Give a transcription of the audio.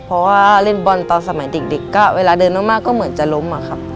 เพราะว่าเล่นบอลตอนสมัยเด็กก็เวลาเดินมากก็เหมือนจะล้มอะครับ